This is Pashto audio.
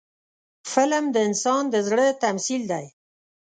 فلم د انسان د زړه تمثیل دی